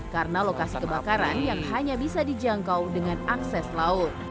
karena lokasi kebakaran yang hanya bisa dijangkau dengan akses laut